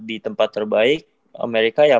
di tempat terbaik amerika yang